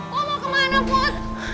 kok mau kemana put